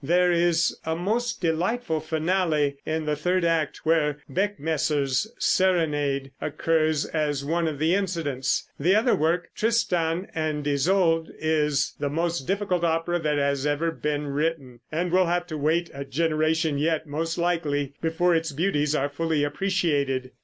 There is a most delightful finale in the third act, where Beckmesser's serenade occurs as one of the incidents. The other work, "Tristan and Isolde," is the most difficult opera that has ever been written, and will have to wait a generation yet, most likely, before its beauties are fully appreciated.